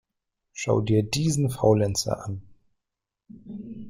Schau dir diesen Faulenzer an!